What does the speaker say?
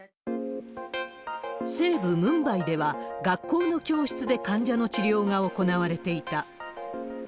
西部ムンバイでは、学校の教室で患者の治療が行われていた。